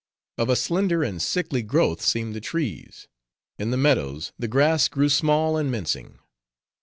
Of a slender and sickly growth seemed the trees; in the meadows, the grass grew small and mincing.